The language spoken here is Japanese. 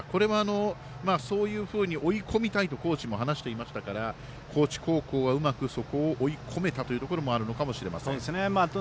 これは、そういうふうに追い込みたいと話していましたから高知高校はうまくそこを追い込めたというところもあるかもしれません。